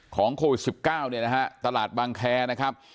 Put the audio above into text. โควิด๑๙เนี่ยนะฮะตลาดบางแคร์นะครับ